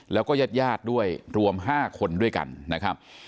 แล้วก็ญาติญาติด้วยรวม๕คนด้วยกันนะครับ